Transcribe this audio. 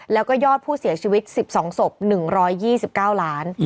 แล้วก็ยอดผู้เสียชีวิต๑๒ศพ๑๒๙ล้าน